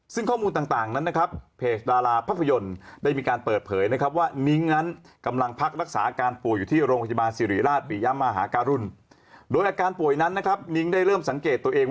ซึ่งข้อมูลต่างนั้นนะครับเพจดาราภาพยนตร์ได้มีการเปิดเผยนะครับว่านิ้งค์